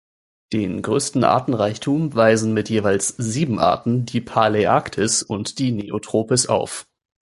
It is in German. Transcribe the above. Den größten Artenreichtum weisen mit jeweils sieben Arten die Paläarktis und die Neotropis auf.